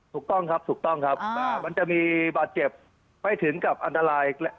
ถูกต้องครับถูกต้องครับมันจะมีบาดเจ็บไม่ถึงกับอันตราย